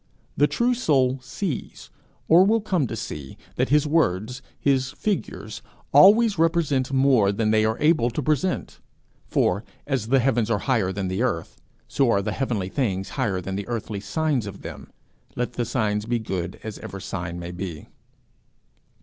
The true soul sees, or will come to see, that his words, his figures always represent more than they are able to present; for, as the heavens are higher than the earth, so are the heavenly things higher than the earthly signs of them, let the signs be good as ever sign may be.